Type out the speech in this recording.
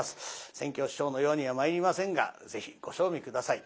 扇橋師匠のようにはまいりませんがぜひご賞味下さい。